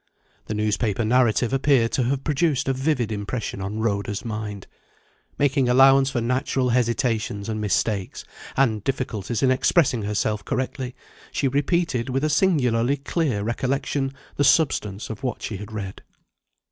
The newspaper narrative appeared to have produced a vivid impression on Rhoda's mind. Making allowance for natural hesitations and mistakes, and difficulties in expressing herself correctly, she repeated with a singularly clear recollection the substance of what she had read.